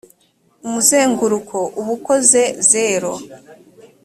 umuzenguruko uba ukoze zero.